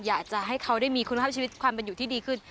อยากจะให้เขาได้มีคุณภาพชีวิตความเป็นอยู่ที่ดีขึ้น